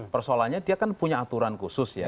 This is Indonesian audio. persoalannya dia kan punya aturan khusus ya